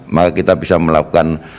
maka kita bisa melakukan